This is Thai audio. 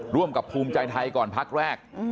ร่วมกับภูมิใจไทยก่อนพักแรก